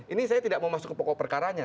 ini saya tidak mau masuk ke pokok perkaranya